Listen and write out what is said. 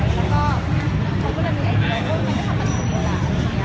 มันก็เป็นต้องเพียงเวลาสินะ